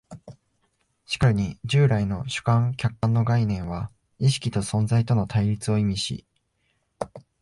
しかるに従来の主観・客観の概念は意識と存在との対立を意味し、